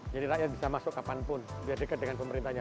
jadi rakyat bisa masuk kapanpun biar dekat dengan pemerintahnya